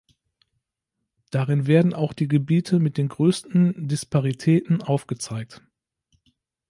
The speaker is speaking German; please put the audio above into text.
Darin werden auch die Gebiete mit den größten Disparitäten aufgezeigt.